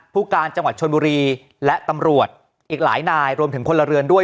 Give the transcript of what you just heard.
ผู้การจังหวัดชนบุรีและตำรวจอีกหลายนายรวมถึงพลเรือนด้วย